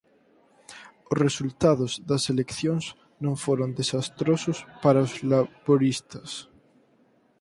Os resultados das eleccións non foron desastrosos para os laboristas.